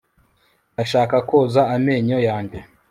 ndashaka koza amenyo yanjye